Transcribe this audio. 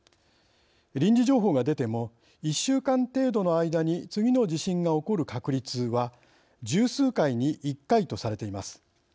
臨時情報が出ても１週間程度の間に次の地震が起こる確率は「十数回に１回」とされています。